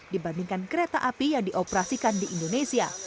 dibandingkan kereta api yang dioperasikan di indonesia